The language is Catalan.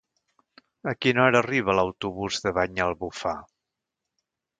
A quina hora arriba l'autobús de Banyalbufar?